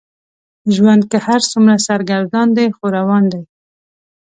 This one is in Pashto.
ژوند که هر څومره سرګردان دی خو روان دی.